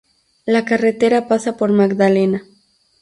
La carretera pasa por Magdalena.